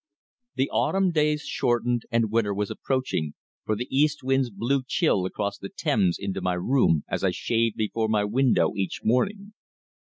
The autumn days shortened and winter was approaching, for the east winds blew chill across the Thames into my room as I shaved before my window each morning.